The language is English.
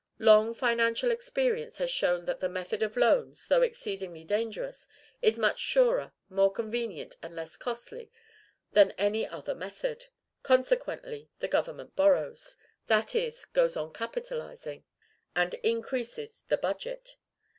Long financial experience has shown that the method of loans, though exceedingly dangerous, is much surer, more convenient, and less costly than any other method; consequently the government borrows, that is, goes on capitalizing, and increases the budget.